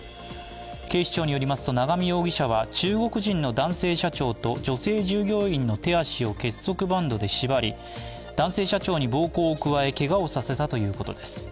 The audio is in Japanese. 警視庁によりますと永見容疑者は中国人の男性社長と女性従業員の手足を結束バンドで縛り男性社長に暴行を加えけがをさせたということです。